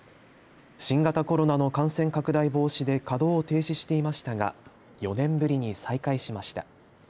新型コロナの感染拡大防止で稼働を停止していましたが４年ぶりに再開しました。